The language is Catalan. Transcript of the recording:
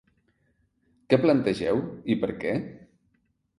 Què plantegeu i per què?